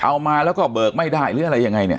เอามาแล้วก็เบิกไม่ได้หรืออะไรยังไงเนี่ย